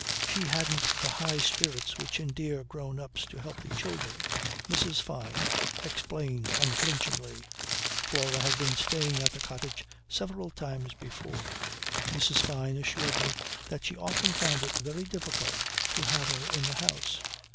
She hadn't the high spirits which endear grown ups to healthy children, Mrs. Fyne explained unflinchingly. Flora had been staying at the cottage several times before. Mrs. Fyne assured me that she often found it very difficult to have her in the house.